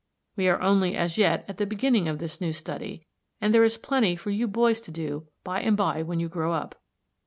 We are only as yet at the beginning of this new study, and there is plenty for you boys to do by and by when you grow up.